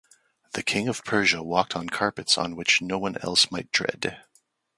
The king of Persia walked on carpets on which no one else might tread.